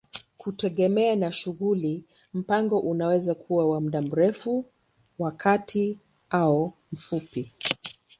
Kutegemea na shughuli, mpango unaweza kuwa wa muda mrefu, wa kati au mfupi.